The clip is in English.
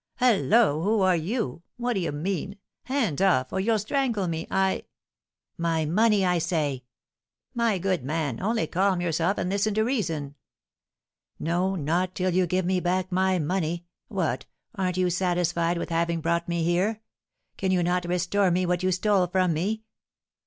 "Hallo! Who are you? What do you mean? Hands off, or you'll strangle me! I " "My money, I say!" "My good man, only calm yourself and listen to reason!" "No, not till you give me back my money. What, aren't you satisfied with having brought me here? Can you not restore me what you stole from me?"